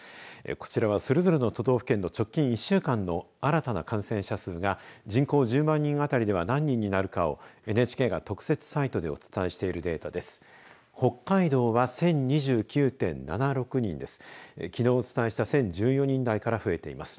こちらは、それぞれ都道府県の直近１週間の新たな感染者数が人口１０万人当たりでは何人になるかをＮＨＫが特設サイトでお伝えしているデータです。